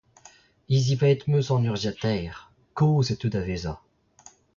Hizivaet 'm eus an urzhiataer, kozh e teu da vezañ.